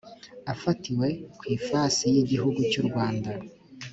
afatiwe ku ifasi y igihugu cy u rwanda